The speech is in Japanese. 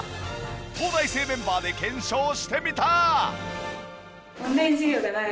東大生メンバーで検証してみた！